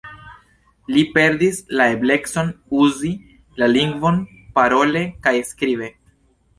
Li perdis la eblecon uzi la lingvon parole kaj skribe.